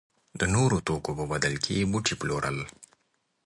د نورو توکو په بدل کې به یې بوټي پلورل.